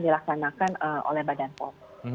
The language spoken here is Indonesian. dilaksanakan oleh badan pom